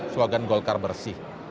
slogan golgar bersih